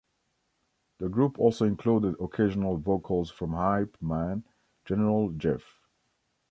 The group also included occasional vocals from hype man General Jeff.